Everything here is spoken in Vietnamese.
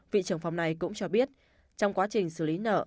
vị trưởng phòng này cũng cho biết trong quá trình xử lý nợ